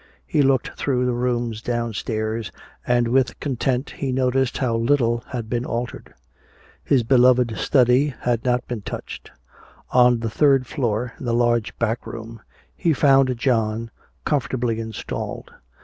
He looked through the rooms downstairs, and with content he noticed how little had been altered. His beloved study had not been touched. On the third floor, in the large back room, he found John comfortably installed.